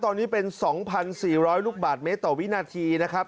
ตอนนี้เป็น๒๔๐๐ลูกบาทเมตรต่อวินาทีนะครับ